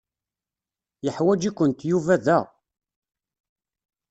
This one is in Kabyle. Yeḥwaǧ-ikent Yuba da.